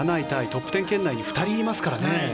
トップ１０圏内に２人いますからね。